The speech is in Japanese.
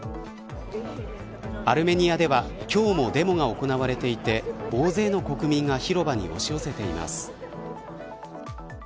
アルメニアでは今日もデモが行われていて大勢の国民が広場に押し寄せています。